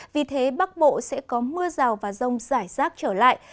vì thế bắc bộ sẽ có mưa rào và rông rải rác trở lại